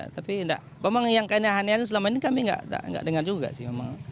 tapi yang kena kena selama ini kami nggak dengar juga sih